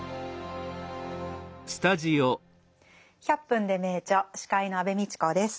「１００分ｄｅ名著」司会の安部みちこです。